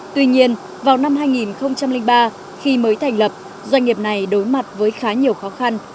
tuy nhiên vào năm hai nghìn ba khi mới thành lập doanh nghiệp này đối mặt với khá nhiều khó khăn